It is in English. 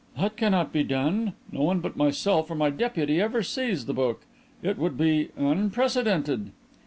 "That cannot be done. No one but myself or my deputy ever sees the book. It would be unprecedented."